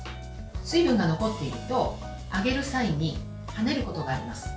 水分が残っていると、揚げる際にはねることがあります。